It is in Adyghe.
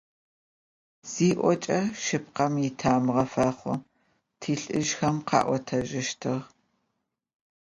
«Зиӏокӏэ шъыпкъэм итамыгъэ фэхъу», - тилӏыжъхэм къаӏотэжьыщтыгъэ.